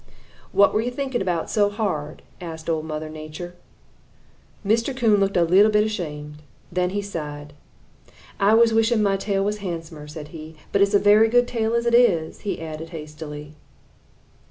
"'What were you thinking about so hard?' asked Old Mother Nature. "Mr. Coon looked a little bit ashamed. Then he sighed. 'I was wishing that my tail was handsomer,' said he. 'But it is a very good tail as it is,' he added hastily.